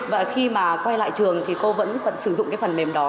và khi mà quay lại trường thì cô vẫn sử dụng cái phần mềm đó